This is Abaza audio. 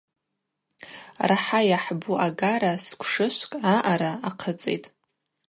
Рахӏа йахӏбу агара сквшышвкӏ аъара ахъыцӏитӏ.